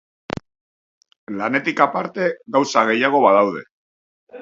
Lanetik aparte gauza gehiago badaude.